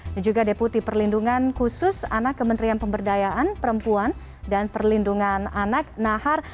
dan juga deputi perlindungan khusus anak kementerian pemberdayaan perempuan dan perlindungan anak nahar